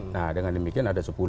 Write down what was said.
nah dengan demikian ada sepuluh